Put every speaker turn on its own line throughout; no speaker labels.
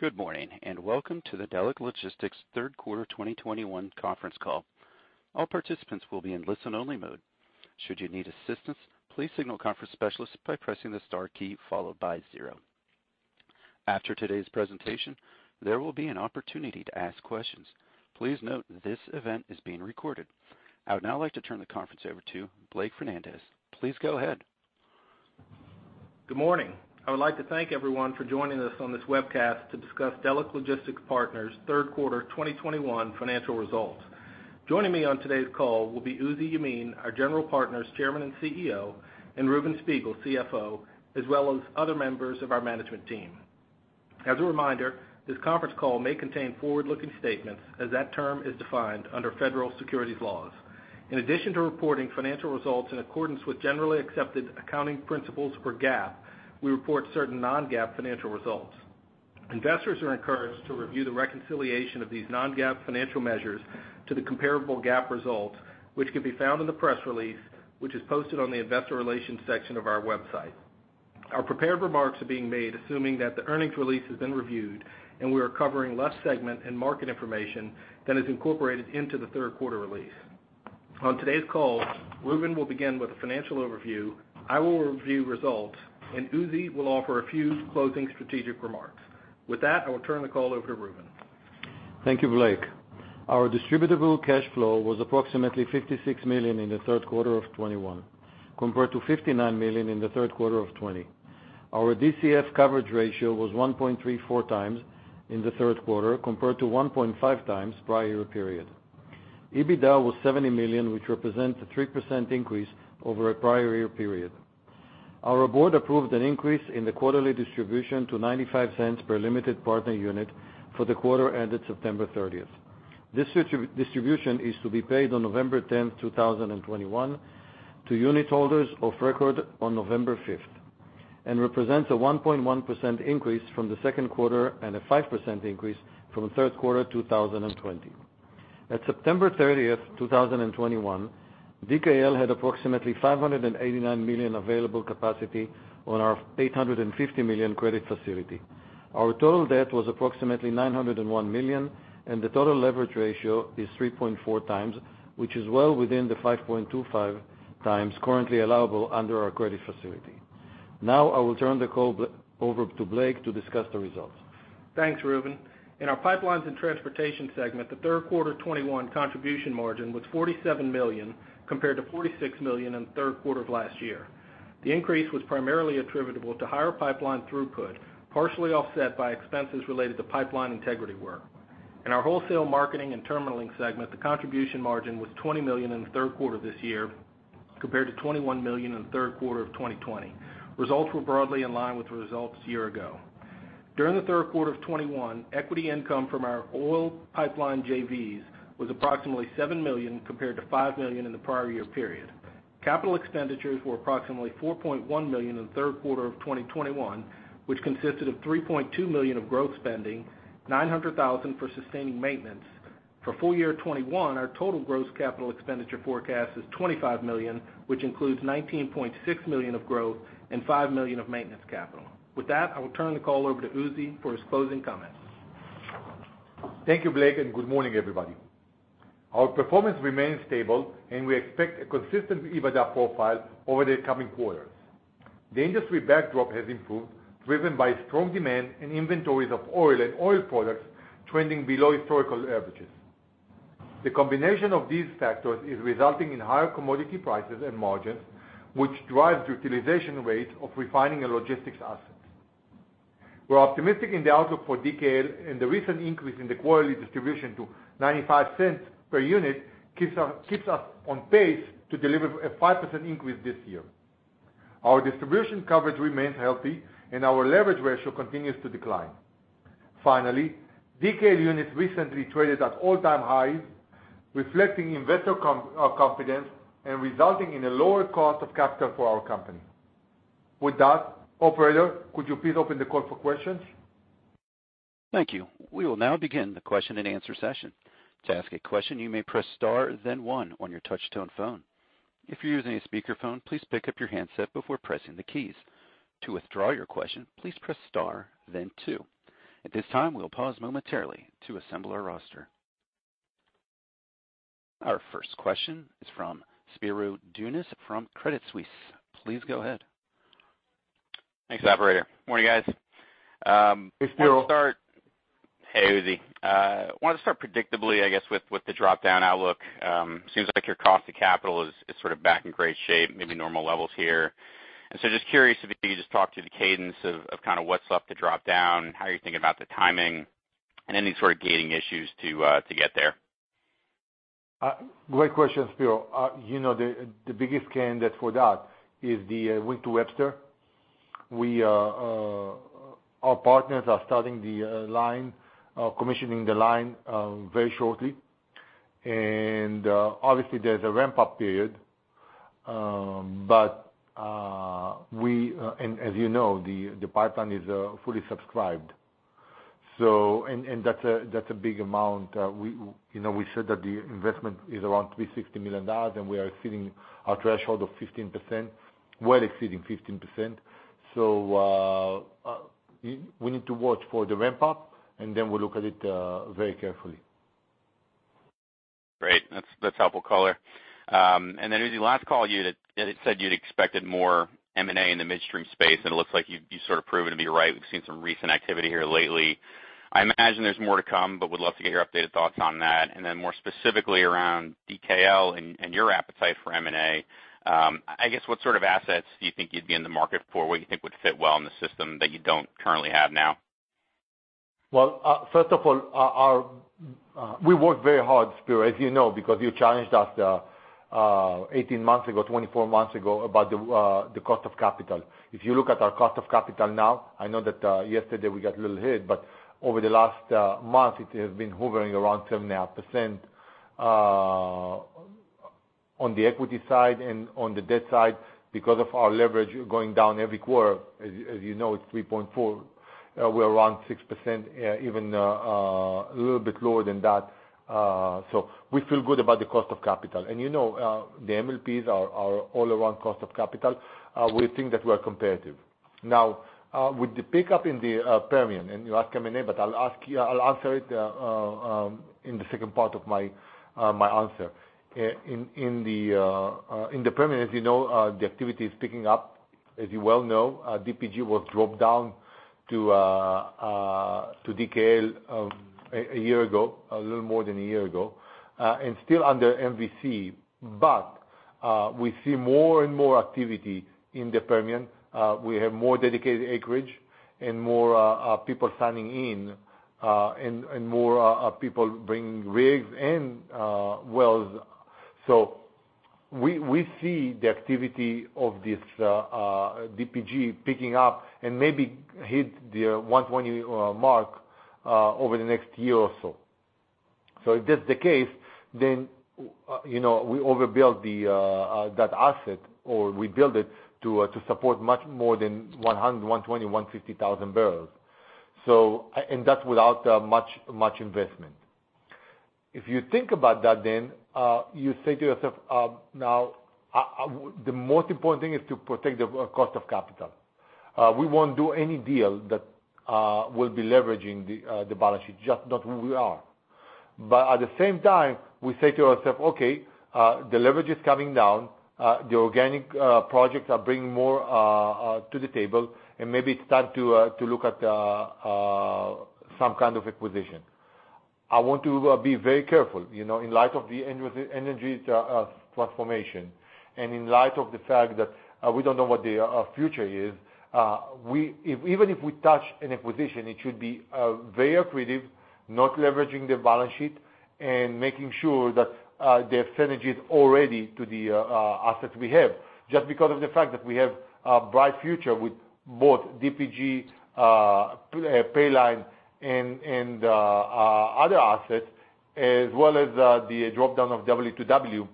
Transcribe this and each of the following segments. Good morning, and welcome to the Delek Logistics third quarter 2021 conference call. All participants will be in listen only mode. Should you need assistance, please signal conference specialist by pressing the star key followed by zero. After today's presentation, there will be an opportunity to ask questions. Please note this event is being recorded. I would now like to turn the conference over to Blake Fernandez. Please go ahead.
Good morning. I would like to thank everyone for joining us on this webcast to discuss Delek Logistics Partners third quarter 2021 financial results. Joining me on today's call will be Uzi Yemin, our general partner's Chairman and CEO, and Reuven Spiegel, CFO, as well as other members of our management team. As a reminder, this conference call may contain forward-looking statements as that term is defined under federal securities laws. In addition to reporting financial results in accordance with generally accepted accounting principles or GAAP, we report certain non-GAAP financial results. Investors are encouraged to review the reconciliation of these non-GAAP financial measures to the comparable GAAP results, which can be found in the press release, which is posted on the investor relations section of our website. Our prepared remarks are being made assuming that the earnings release has been reviewed and we are covering less segment and market information that is incorporated into the third quarter release. On today's call, Reuven will begin with a financial overview, I will review results, and Uzi will offer a few closing strategic remarks. With that, I will turn the call over to Reuven.
Thank you, Blake. Our distributable cash flow was approximately $56 million in the third quarter of 2021 compared to $59 million in the third quarter of 2020. Our DCF coverage ratio was 1.34x in the third quarter compared to 1.5x prior year period. EBITDA was $70 million, which represents a 3% increase over a prior year period. Our board approved an increase in the quarterly distribution to $0.95 per limited partner unit for the quarter ended September 30th. This distribution is to be paid on November 10, 2021 to unitholders of record on November 5th, and represents a 1.1% increase from the second quarter and a 5% increase from third quarter 2020. At September 30th, 2021, DKL had approximately $589 million available capacity on our $850 million credit facility. Our total debt was approximately $901 million, and the total leverage ratio is 3.4x, which is well within the 5.25x currently allowable under our credit facility. Now, I will turn the call over to Blake to discuss the results.
Thanks, Reuven. In our Pipelines and Transportation segment, the third quarter 2021 contribution margin was $47 million compared to $46 million in the third quarter of last year. The increase was primarily attributable to higher pipeline throughput, partially offset by expenses related to pipeline integrity work. In our Wholesale Marketing and Terminalling segment, the contribution margin was $20 million in the third quarter this year compared to $21 million in the third quarter of 2020. Results were broadly in line with results a year ago. During the third quarter of 2021, equity income from our oil pipeline JVs was approximately $7 million compared to $5 million in the prior year period. Capital expenditures were approximately $4.1 million in the third quarter of 2021, which consisted of $3.2 million of growth spending, $900,000 for sustaining maintenance. For full year 2021, our total gross capital expenditure forecast is $25 million, which includes $19.6 million of growth and $5 million of maintenance capital. With that, I will turn the call over to Uzi for his closing comments.
Thank you, Blake, and good morning, everybody. Our performance remains stable, and we expect a consistent EBITDA profile over the coming quarters. The industry backdrop has improved, driven by strong demand and inventories of oil and oil products trending below historical averages. The combination of these factors is resulting in higher commodity prices and margins, which drives the utilization rates of refining and logistics assets. We're optimistic in the outlook for DKL and the recent increase in the quarterly distribution to $0.95 per unit keeps us on pace to deliver a 5% increase this year. Our distribution coverage remains healthy, and our leverage ratio continues to decline. Finally, DKL units recently traded at all-time highs, reflecting investor confidence and resulting in a lower cost of capital for our company. With that, operator, could you please open the call for questions?
Thank you. We will now begin the question-and-answer session. To ask a question, you may press star then one on your touch tone phone. If you're using a speakerphone, please pick up your handset before pressing the keys. To withdraw your question, please press star then two. At this time, we'll pause momentarily to assemble our roster. Our first question is from Spiro Dounis from Credit Suisse. Please go ahead.
Thanks, operator. Morning, guys.
Hey, Spiro.
Hey, Uzi. Wanted to start predictably, I guess, with the drop-down outlook. Seems like your cost of capital is sort of back in great shape, maybe normal levels here. Just curious if you could just talk through the cadence of kind of what's left to drop down, how you're thinking about the timing, and any sort of gating issues to get there.
Great question, Spiro. You know, the biggest candidate for that is the Wink to Webster. Our partners are commissioning the line very shortly. Obviously, there's a ramp-up period. As you know, the pipeline is fully subscribed, and that's a big amount. You know, we said that the investment is around $360 million, and we are exceeding our threshold of 15%. Well exceeding 15%. We need to watch for the ramp-up, and then we'll look at it very carefully.
Great. That's helpful color. Uzi, last call you had said you'd expected more M&A in the midstream space, and it looks like you sort of proven to be right. We've seen some recent activity here lately. I imagine there's more to come, but would love to get your updated thoughts on that. More specifically around DKL and your appetite for M&A. I guess, what sort of assets do you think you'd be in the market for? What do you think would fit well in the system that you don't currently have now?
Well, first of all, we work very hard, Spiro, as you know, because you challenged us 18 months ago, 24 months ago, about the cost of capital. If you look at our cost of capital now, I know that yesterday we got a little hit, but over the last month, it has been hovering around 7.5% on the equity side and on the debt side, because of our leverage going down every quarter. As you know, it's 3.4. We're around 6%, even a little bit lower than that. We feel good about the cost of capital. You know, the MLPs are all around cost of capital. We think that we're competitive. Now, with the pickup in the Permian, and you ask M&A, but I'll answer it in the second part of my answer. In the Permian, as you know, the activity is picking up. As you well know, DPG was dropped down to DKL a year ago, a little more than a year ago, and still under MVC. We see more and more activity in the Permian. We have more dedicated acreage and more people signing in, and more people bringing rigs and wells. We see the activity of this DPG picking up and maybe hit the 120 mark over the next year or so. If that's the case, then, you know, we overbuild that asset, or we build it to support much more than 100,000, 120,000, 150,000 barrels. And that's without much investment. If you think about that then, you say to yourself, now, the most important thing is to protect the cost of capital. We won't do any deal that will be leveraging the balance sheet, just not who we are. But at the same time, we say to ourselves, okay, the leverage is coming down, the organic projects are bringing more to the table, and maybe it's time to look at some kind of acquisition. I want to be very careful, you know, in light of the energy transition, and in light of the fact that we don't know what the future is. Even if we touch an acquisition, it should be very accretive, not leveraging the balance sheet and making sure that there are synergies already to the assets we have, just because of the fact that we have a bright future with both DPG, Paline and other assets, as well as the drop-down of W2W,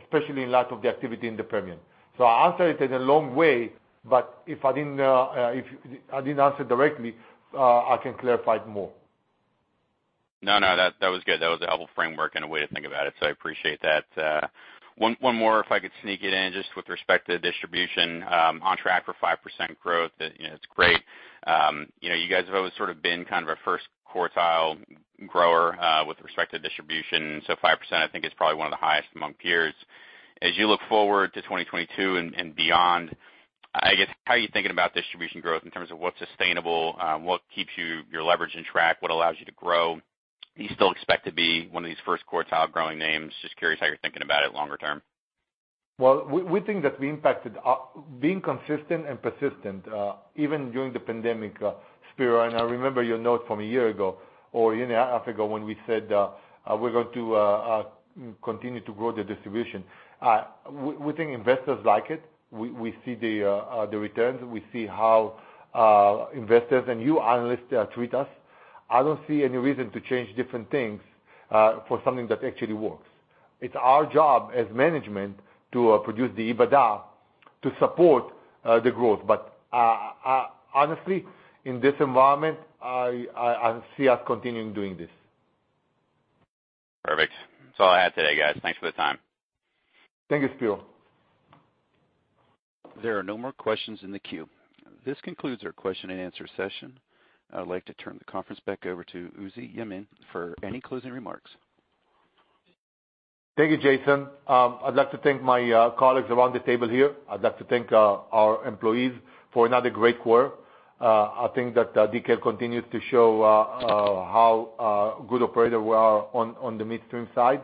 especially in light of the activity in the Permian. I answer it in a long way, but if I didn't answer directly, I can clarify it more.
No, that was good. That was a helpful framework and a way to think about it, so I appreciate that. One more if I could sneak it in, just with respect to distribution, on track for 5% growth, you know, it's great. You know, you guys have always sort of been kind of a first quartile grower, with respect to distribution. So 5% I think is probably one of the highest among peers. As you look forward to 2022 and beyond, I guess, how are you thinking about distribution growth in terms of what's sustainable? What keeps your leverage on track? What allows you to grow? Do you still expect to be one of these first quartile growing names? Just curious how you're thinking about it longer term.
Well, we think that we impacted being consistent and persistent even during the pandemic, Spiro. I remember your note from a year ago or a year and a half ago when we said we're going to continue to grow the distribution. We think investors like it. We see the returns. We see how investors and you analysts treat us. I don't see any reason to change different things for something that actually works. It's our job as management to produce the EBITDA to support the growth. Honestly, in this environment, I see us continuing doing this.
Perfect. That's all I had today, guys. Thanks for the time.
Thank you, Spiro.
There are no more questions in the queue. This concludes our question and answer session. I'd like to turn the conference back over to Uzi Yemin for any closing remarks.
Thank you, Jason. I'd like to thank my colleagues around the table here. I'd like to thank our employees for another great quarter. I think that DKL continues to show how good operator we are on the midstream side.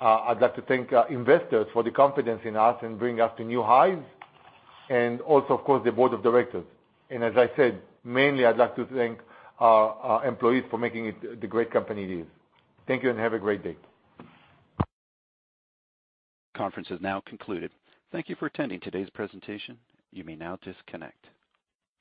I'd like to thank investors for the confidence in us and bring us to new highs, and also, of course, the board of directors. As I said, mainly, I'd like to thank our employees for making it the great company it is. Thank you, and have a great day.
Conference is now concluded. Thank you for attending today's presentation. You may now disconnect.